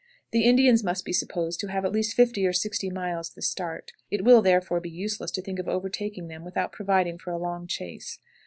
The Indians must be supposed to have at least fifty or sixty miles the start; it will, therefore, be useless to think of overtaking them without providing for a long chase.